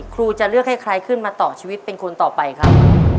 ครูจะเลือกให้ใครขึ้นมาต่อชีวิตเป็นคนต่อไปครับ